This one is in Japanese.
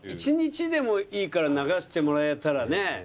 １日でもいいから流してもらえたらね。